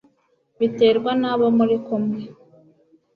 Biterwa na bo muri kumwe